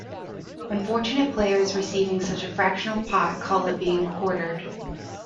Unfortunate players receiving such a fractional pot call it being "quartered".